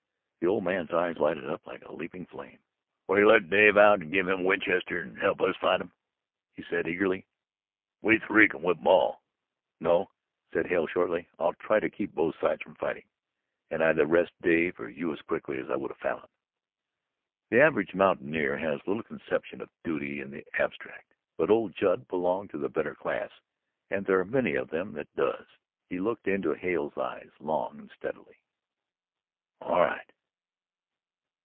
The old man's eyes lighted up like a leaping flame. "Will you let Dave out and give him a Winchester and help us fight 'em?" he said eagerly. "We three can whip 'em all." "No," said Hale shortly. "I'd try to keep both sides from fighting, and I'd arrest Dave or you as quickly as I would a Falin." The average mountaineer has little conception of duty in the abstract, but old Judd belonged to the better class and there are many of them that does. He looked into Hale's eyes long and steadily. "All right."